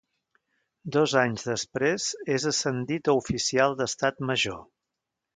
Dos anys després és ascendit a oficial d'Estat Major.